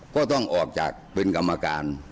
ก็ต้องออกจากเป็นกรรมการ